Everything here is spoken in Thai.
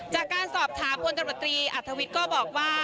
จากการสอบถามพลตำรวจตรีอัธวิทย์ก็บอกว่า